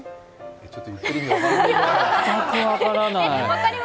ちょっと言ってる意味、分からない。